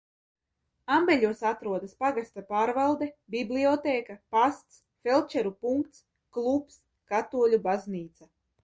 Ambeļos atrodas pagasta pārvalde, bibliotēka, pasts, feldšeru punkts, klubs, katoļu baznīca.